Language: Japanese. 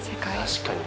確かに。